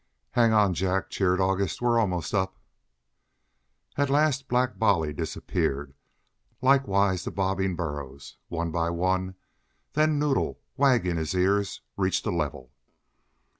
"Hang on, Jack," cheered August. "We're almost up." At last Black Bolly disappeared, likewise the bobbing burros, one by one, then Noddle, wagging his ears, reached a level.